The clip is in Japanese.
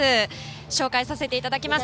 紹介させていただきます。